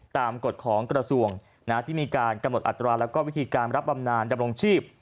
กฎของกระทรวงที่มีการกำหนดอัตราแล้วก็วิธีการรับบำนานดำรงชีพ